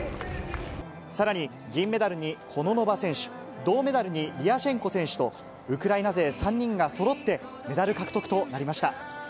さらに、銀メダルにコノノバ選手、銅メダルにリアシェンコ選手と、ウクライナ勢３人がそろって、メダル獲得となりました。